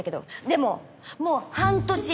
でももう半年！